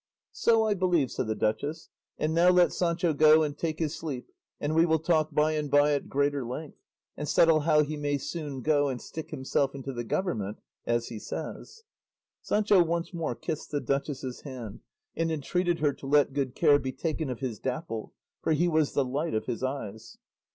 "So I believe," said the duchess; "and now let Sancho go and take his sleep, and we will talk by and by at greater length, and settle how he may soon go and stick himself into the government, as he says." Sancho once more kissed the duchess's hand, and entreated her to let good care be taken of his Dapple, for he was the light of his eyes.